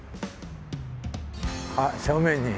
あっ正面に。